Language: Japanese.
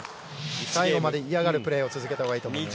最後まで嫌がるプレー続けたほうがいいと思います。